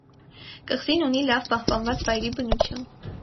Կղզին ունի լավ պահպանված վայրի բնություն։